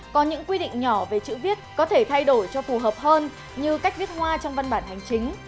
có những quy định nhỏ về chữ viết có thể thay đổi cho phù hợp hơn như cách viết hoa trong văn bản hành chính